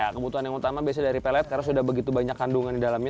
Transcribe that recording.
kebutuhan yang utama biasanya dari pelet karena sudah banyak kandungan di dalamnya